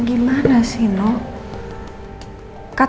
bagaimana dengan pak ambar